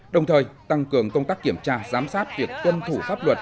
đồng thời tăng cường công tác kiểm tra giám sát việc tuân thủ pháp luật